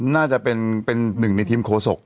น่าจะเป็นหนึ่งในทีมโคศก